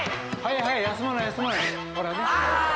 速い休まない休まない・あぁ！